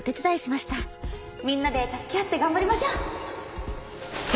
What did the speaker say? みんなで助け合って頑張りましょう！